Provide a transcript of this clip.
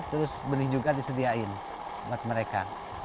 terus benih juga disediain buat mereka